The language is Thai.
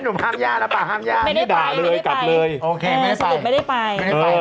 สรุปไม่ได้ไป